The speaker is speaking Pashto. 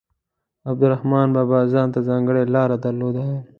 عبدالرحمان بابا ځانته ځانګړې لاره درلوده.